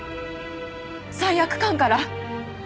罪悪感から？